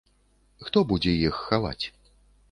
Хто будзе іх хаваць?